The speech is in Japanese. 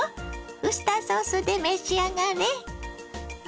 ウスターソースで召し上がれ！